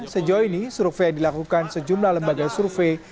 sejauh ini survei yang dilakukan sejumlah lembaga survei